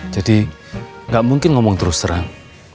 jadi gak mungkin ngomong terus serang